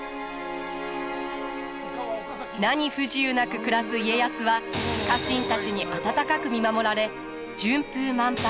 何不自由なく暮らす家康は家臣たちに温かく見守られ順風満帆